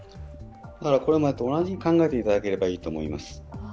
だから、これまでと同じと、考えてもらえればいいと思います。